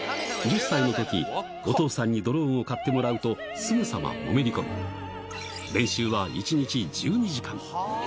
１０歳のとき、お父さんにドローンを買ってもらうと、すぐさまのめり込み、練習は１日１２時間。